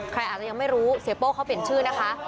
ใครอาจจะยังไม่รู้เสียโป้เขาเปลี่ยนชื่อนะคะ